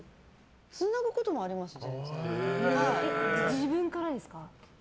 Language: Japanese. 自分からですか？